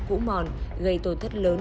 cũ mòn gây tổn thất lớn